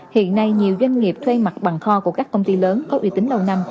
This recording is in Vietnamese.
hiện nay nhiều doanh nghiệp thuê mặt bằng kho của các công ty lớn có uy tín lâu năm